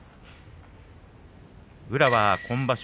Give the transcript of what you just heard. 宇良は今場所